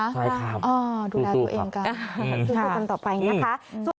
ใช่ครับอ่อดูแลตัวเองกันอืมค่ะค่ะทุกคนต่อไปอย่างเงี้ยค่ะอืม